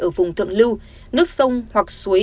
ở vùng thượng lưu nước sông hoặc suối